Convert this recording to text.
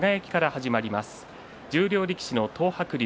十両力士の東白龍